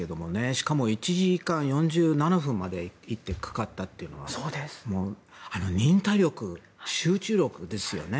しかも１時間４７分まで１手かかったというのは忍耐力、集中力ですよね。